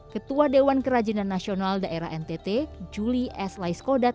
ketua dewan kerajinan nasional daerah ntt juli s laiskodat